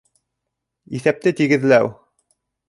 Иҫәпте тигеҙләү